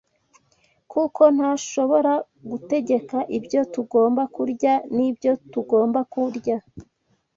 kuko ntashobora gutegeka ibyo tugomba kurya n’ibyo tutagomba kurya.